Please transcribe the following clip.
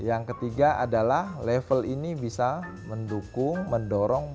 yang ketiga adalah level ini bisa mendukung mendorong